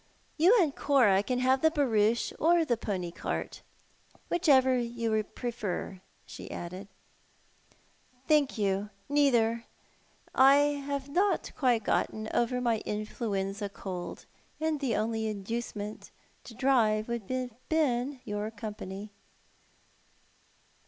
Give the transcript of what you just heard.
" You and Cora can have the jjarouche or the jwny cart, whichever you prefer," she added. " Thank you, neither. I have not quite got over my influenza cold, and the only inducement to drive would have Ijeen your company."